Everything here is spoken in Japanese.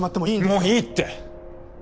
もういいって！